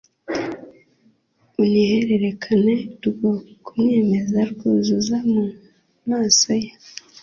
unihererekane rwo kumwemeza rwuzura mu maso ye.